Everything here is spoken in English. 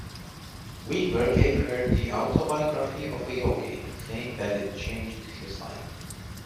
Weaver gave her the "Autobiography of a Yogi", saying that it changed his life.